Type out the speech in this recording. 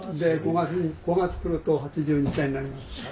５月来ると８２歳になります。